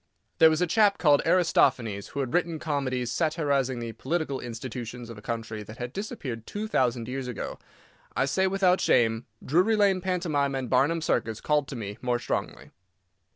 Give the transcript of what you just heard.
There was a chap called Aristophanes who had written comedies, satirising the political institutions of a country that had disappeared two thousand years ago. I say, without shame, Drury Lane pantomime and Barnum's Circus called to me more strongly.